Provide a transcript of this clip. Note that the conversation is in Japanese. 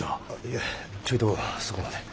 いえちょいとそこまで。